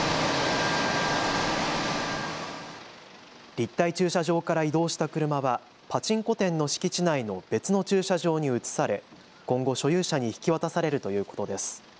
立体駐車場から移動した車はパチンコ店の敷地内の別の駐車場に移され今後、所有者に引き渡されるということです。